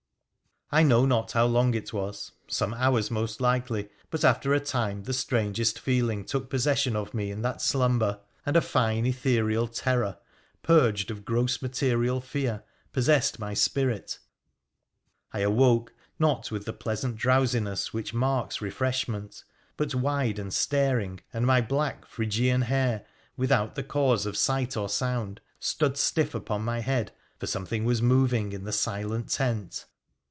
I know not how long it was, some hours most likely, but PHRA THE PHCENIC1AX 219 Iter a time the strangest feeling took possession of me in that lumber, and a fine ethereal terror, purged of gross material ear, possessed my spirit. I awoke — not with the pleasant drowsiness which marks refreshment, but wide and staring, ,nd my black Phrygian hair, without the cause of sight or ound, stood stiff upon my head, for something was moving in he silent tent